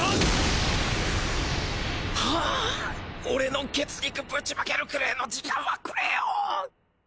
俺のケツ肉ぶちまけるくれェの時間はくれよ！